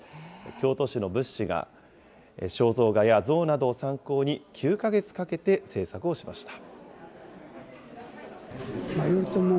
京都市の仏師が、肖像画や像などを参考に９か月かけて制作をしました。